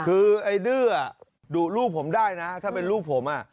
คือไอ้ดื้อดุลูกผมได้นะถ้าเป็นลูกผม